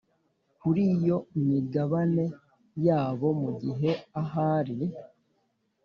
Kuri iyo migabane yabo mu gihe ahari